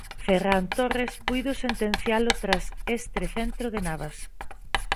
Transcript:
Ferran Torres puido sentencialo tras este centro de Navas.